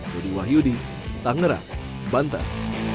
dari wahyudi tangnerak banteng